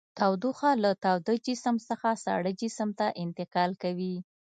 تودوخه له تاوده جسم څخه ساړه جسم ته انتقال کوي.